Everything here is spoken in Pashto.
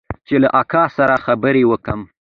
چې له اکا سره خبرې وکم.